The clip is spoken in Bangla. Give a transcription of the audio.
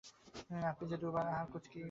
আমাদের যে দু-বার আহার কুঁচকি-কণ্ঠা ঠেসে।